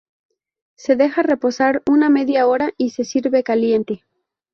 Se deja reposar una media hora y se sirve caliente.